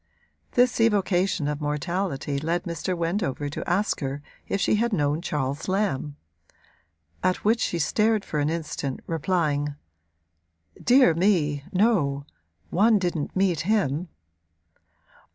This evocation of mortality led Mr. Wendover to ask her if she had known Charles Lamb; at which she stared for an instant, replying: 'Dear me, no one didn't meet him.'